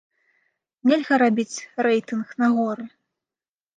Нельга рабіць рэйтынг на горы.